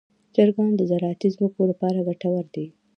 چرګان د زراعتي ځمکو لپاره ګټور دي.